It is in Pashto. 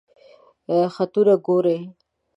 خطونه ګوری؟